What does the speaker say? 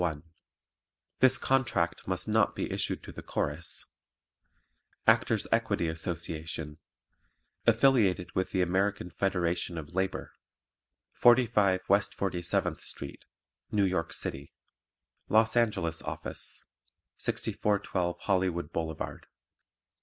1 THIS CONTRACT MUST NOT BE ISSUED TO THE CHORUS Actors' Equity Association (Affiliated with the American Federation of Labor) 45 West 47th Street, New York City LOS ANGELES OFFICE 6412 Hollywood Blvd.